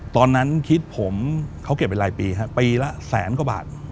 ตอนนั้นคิดผมเขาเก็บไปหลายปีครับปีละแสนกว่าบาท